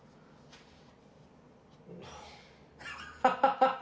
ハハハハ！